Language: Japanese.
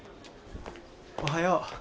おはよう。